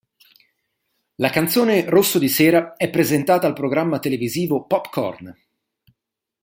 La canzone "Rosso di sera" è presentata al programma televisivo Pop Corn.